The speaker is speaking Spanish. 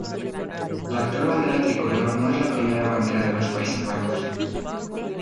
La actual bandera tricolor no es la primera bandera de los Países Bajos.